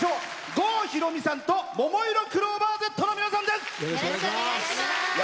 郷ひろみさんとももいろクローバーＺの皆さんです。